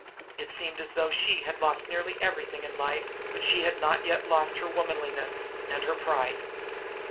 It seemed as though she had lost nearly everything in life, but she had not yet lost her womanliness and her pride.